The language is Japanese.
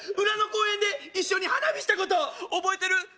裏の公園で一緒に花火したこと覚えてる？